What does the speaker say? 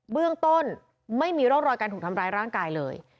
เรื่องต้นไม่มีร่องรอยการถูกทำร้ายร่างกายเลย